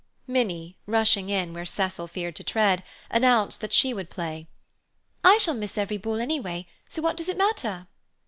Minnie, rushing in where Cecil feared to tread, announced that she would play. "I shall miss every ball anyway, so what does it matter?"